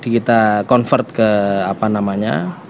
kita convert ke apa namanya